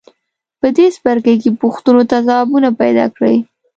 په دې څپرکي کې پوښتنو ته ځوابونه پیداکړئ.